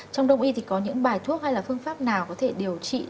trong đông y thì có những bài thuốc hay là phương pháp nào có thể điều trị